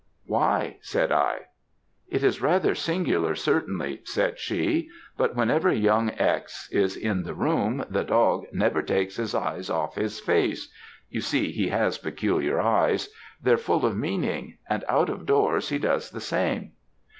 "'Why?' said I. "'It is rather singular, certainly,' said she; but whenever young X. is in the room, the dog never takes his eyes off his face you see he has peculiar eyes they're full of meaning; and out of doors he does the same.'